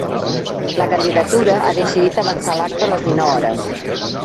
La candidatura ha decidit avançar l’acte a les dinou hores.